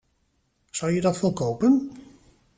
Zou je dat wel kopen?